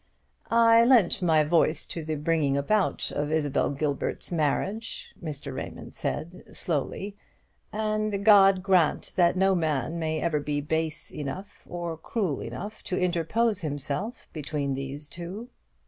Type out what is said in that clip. "I lent my voice to the bringing about of Isabel Gilbert's marriage," Mr. Raymond said, slowly; "and God grant that no man may ever be base enough or cruel enough to interpose himself between these two!"